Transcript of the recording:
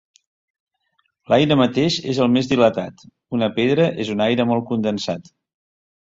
L'aire mateix és el més dilatat, una pedra és un aire molt condensat.